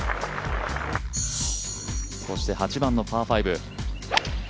そして８番のパー５。